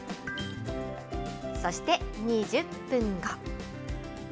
そして２０分後。